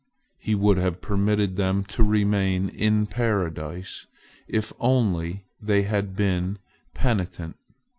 He would have permitted them to remain in Paradise, if only they had been penitent.